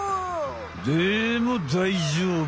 でもだいじょうぶい！